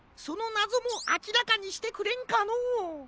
そのなぞもあきらかにしてくれんかのう。